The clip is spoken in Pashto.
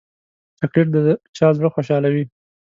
چاکلېټ د چا زړه خوشحالوي.